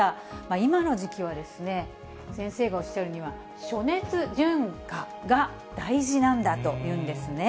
今の時期は、先生がおっしゃるには、暑熱馴化が大事なんだというんですね。